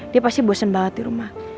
dia pasti bosen banget di rumah